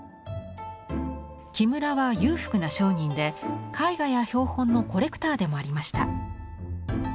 木村は裕福な商人で絵画や標本のコレクターでもありました。